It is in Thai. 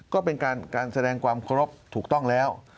ก็เป็นการแสดงความเคารพถูกต้องแล้ว